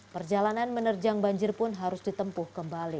perjalanan menerjang banjir pun harus ditempuh kembali